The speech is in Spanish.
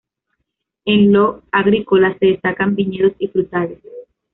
En lo agrícola se destacan viñedos y frutales.